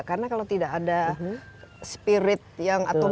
karena kalau tidak ada spirit yang atau